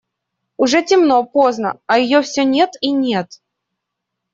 Уже темно, поздно, а ее все нет и нет.